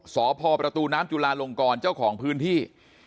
สพประตูน้ำจุลาลงกรเจ้าของพื้นที่